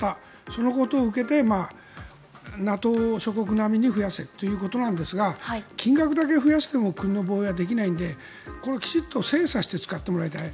そのことを受けてＮＡＴＯ諸国並みに増やせということなんですが金額だけ増やしても国の防衛はできないのできちんと精査して使ってもらいたい。